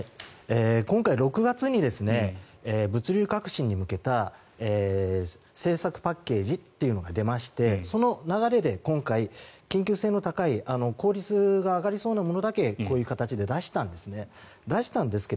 今回６月に物流革新に向けた政策パッケージというのが出ましてその流れで今回緊急性の高い効率が上がりそうなものだけこういう形で出したんですね。